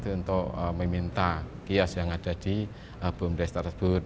untuk meminta kios yang ada di bumdes tersebut